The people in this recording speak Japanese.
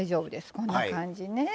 こんな感じね。